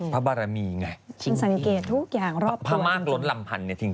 พระบารมีไงพระมารรถลำพันธ์เนี่ยจริงนะ